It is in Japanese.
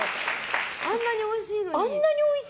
あんなにおいしいのに。